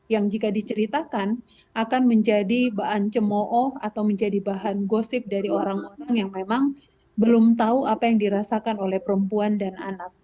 dan jika diceritakan akan menjadi bahan cemo'oh atau menjadi bahan gosip dari orang orang yang memang belum tahu apa yang dirasakan oleh perempuan dan anak